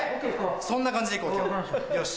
そんな感じで行こう今日よし。